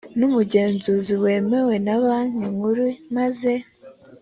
n umugenzuzi wemewe na banki nkuru maze